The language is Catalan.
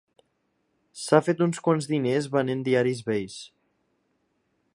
S'ha fet uns quants diners venent diaris vells.